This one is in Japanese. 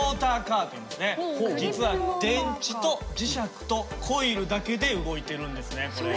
実は電池と磁石とコイルだけで動いているんですねこれ。